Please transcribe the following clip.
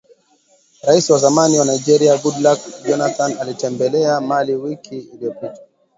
raisi wa zamani wa Nigeria Goodluck Johnathan alitembelea Mali wiki iliyopita